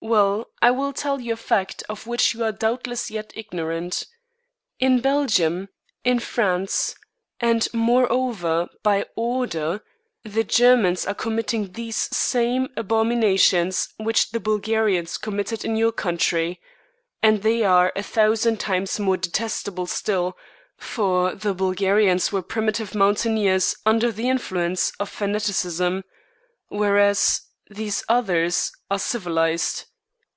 Well, I will tell you a fact of which you are doubtless yet ignorant: In Belgium, in France, and moreover by order, the Germans are committing these same abominations which the Bulgarians committed in your country, and they are a thousand times more detestable still, for the Bulgarians were primitive mountaineers under the influence of fanaticism, whereas these others are civilised.